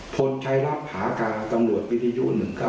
พลชัยรับหากากำลัววิทยุ๑๙๑